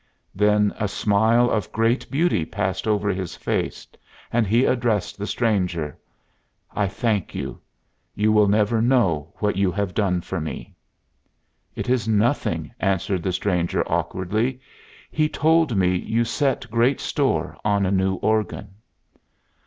Then a smile of great beauty passed over his face, and he addressed the strange. "I thank you. You will never know what you have done for me." "It is nothing," answered the stranger, awkwardly. "He told me you set great store on a new organ."